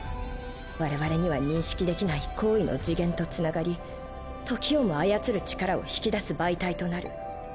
我々には認識できない高位の次元とつながり時をも操る力を引き出す媒体となる。